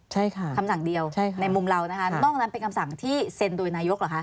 ใช่ค่ะคำสั่งเดียวใช่ค่ะในมุมเรานะคะนอกนั้นเป็นคำสั่งที่เซ็นโดยนายกเหรอคะ